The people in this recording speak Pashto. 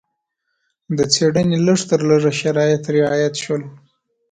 د څېړنې لږ تر لږه شرایط رعایت شول.